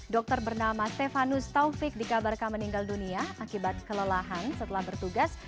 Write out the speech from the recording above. dokter bernama stefanus taufik dikabarkan meninggal dunia akibat kelelahan setelah bertugas